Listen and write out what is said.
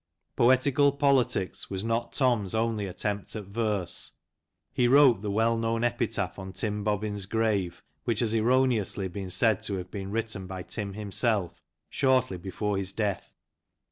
" Poetical Politics " was not Tom's only attempt at verse. He wrote the well known epitaph on Tim Bobbin's grave, which has erroneously been said to have been written by Tim himself shortly before his death.